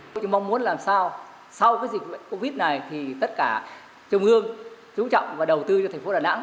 chúng tôi mong muốn làm sao sau cái dịch covid này thì tất cả trung ương trú trọng và đầu tư cho thành phố đà nẵng